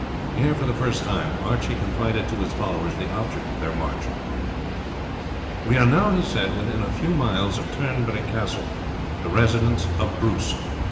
Here for the first time Archie confided to his followers the object of their march. "We are now," he said, "within a few miles of Turnberry Castle, the residence of Bruce.